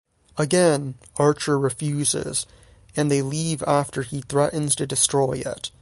Again, Archer refuses, and they leave after he threatens to destroy it.